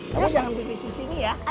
kamu jangan pipis disini ya